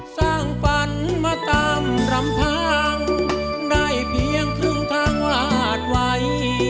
สร้างฝันมาตามรำทางได้เพียงครึ่งทางวาดไว้